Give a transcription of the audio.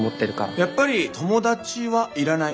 やっぱり友達はいらない。